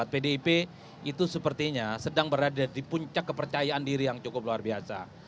pdip itu sepertinya sedang berada di puncak kepercayaan diri yang cukup luar biasa